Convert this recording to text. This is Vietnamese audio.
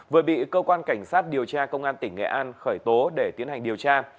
vừa bị cơ quan cảnh sát điều tra công an tỉnh nghệ an khởi tố để tiến hành điều tra